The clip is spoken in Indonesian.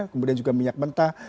kemudian juga minyak mentah